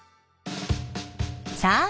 さあ